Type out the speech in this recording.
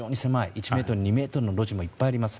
１ｍ、２ｍの路地もいっぱいあります。